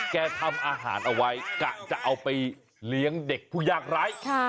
ทำอาหารเอาไว้กะจะเอาไปเลี้ยงเด็กผู้ยากไร้